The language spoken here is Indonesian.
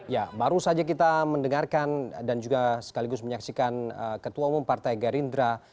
ya baru saja kita mendengarkan dan juga sekaligus menyaksikan ketua umum partai gerindra